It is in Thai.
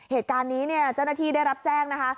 เหตุการณ์นี้เนี่ยเจ้าหน้าที่ได้รับแจ้งนะคะ